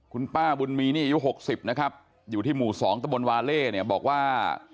คุณป้าบุญมีนี่อายุ๖๐นะครับอยู่ที่หมู่๒ตะบนวาเล่เนี่ยบอกว่า